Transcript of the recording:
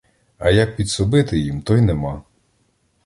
А як підсобити їм, то й нема.